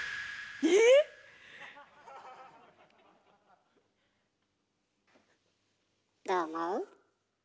え⁉どう思う？